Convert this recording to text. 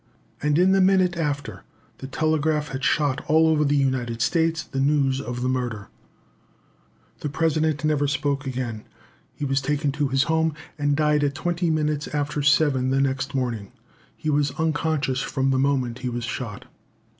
And in a minute after, the telegraph had shot all over the United States the news of the murder. [Illustration: HOUSE WHERE THE PRESIDENT DIED.] The President never spoke again. He was taken to his home, and died at twenty minutes after seven the next morning. He was unconscious from the moment he was shot.